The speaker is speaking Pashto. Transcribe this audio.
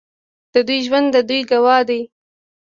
د دوی ژوند د دوی ګواه دی.